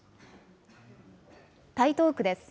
台東区です。